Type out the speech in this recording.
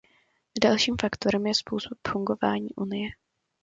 Dalším faktorem je způsob fungování Unie.